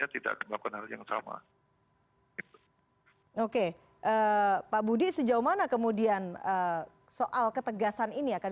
ada yang selalu kita diskusikan